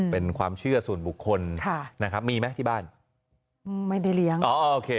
เป็นความเชื่อส่วนบุคคลค่ะนะครับมีไหมที่บ้านไม่ได้เลี้ยงอ๋อโอเค